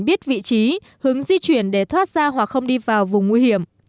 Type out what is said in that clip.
biết vị trí hướng di chuyển để thoát ra hoặc không đi vào vùng nguy hiểm